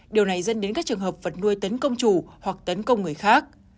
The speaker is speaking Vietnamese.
điều này dẫn đến các trường hợp vật nuôi tấn công chủ hoặc tấn công người khác